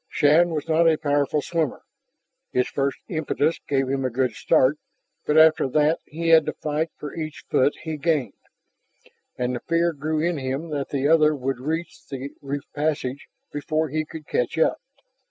Shann was not a powerful swimmer. His first impetus gave him a good start, but after that he had to fight for each foot he gained, and the fear grew in him that the other would reach the reef passage before he could catch up.